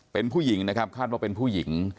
เป็นผู้หญิงนะครับคาดว่าเป็นผู้หญิง